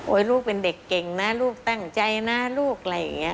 ลูกเป็นเด็กเก่งนะลูกตั้งใจนะลูกอะไรอย่างนี้